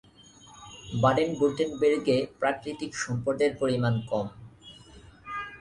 বাডেন-ভুর্টেনবের্গে প্রাকৃতিক সম্পদের পরিমাণ কম।